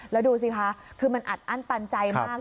แล้วดูสิคะคือมันอัดอั้นตันใจมาก